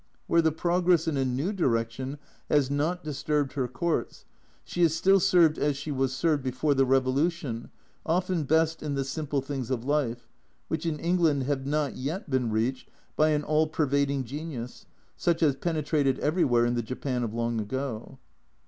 Where the progress in a new direction has not disturbed her courts, she is still served as she was served before the revolution, often best in the simple things of life, which in England have not yet been reached by an all pervading genius, such as penetrated everywhere in the Japan of long ago.